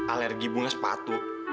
alergi bunga sepatu